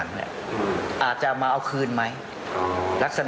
มันมีโอกาสเกิดอุบัติเหตุได้นะครับ